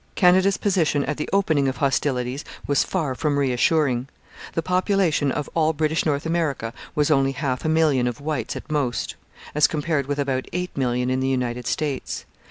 ] Canada's position at the opening of hostilities was far from reassuring. The population of all British North America was only half a million of whites at most, as compared with about eight million in the United States.